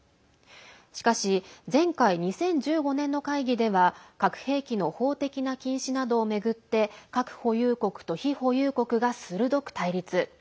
しかし、前回２０１５年の会議では核兵器の法的な禁止などを巡って核保有国と非保有国が鋭く対立。